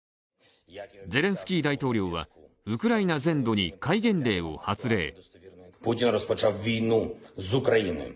ゼレンスキー大統領はウクライナ全土に戒厳令を発令。